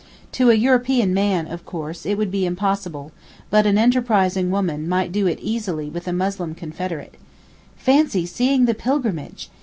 To a European man, of course, it would be impossible, but an enterprising woman might do it easily with a Muslim confederate. Fancy seeing the pilgrimage!